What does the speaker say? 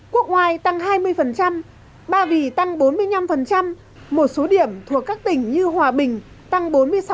quốc ngoài tăng hai mươi ba vì tăng bốn mươi năm một số điểm thuộc các tỉnh như hòa bình tăng bốn mươi sáu